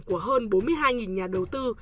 của hơn bốn mươi hai nhà đầu tư